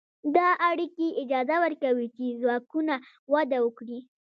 دا اړیکې اجازه ورکوي چې ځواکونه وده وکړي.